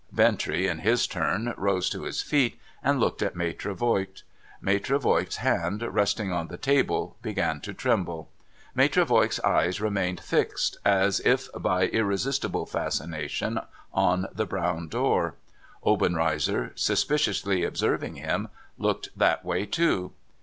Bintrey, in his turn, rose to his feet, and looked at Maitre Voigt. Maitre Voigt's hand, resting on the table, began to tremble. Maitre Voigt's eyes remained fixed, as ir by irresistible fascination, on the brown door. Obenreizer, suspiciously observing him, looked that way too.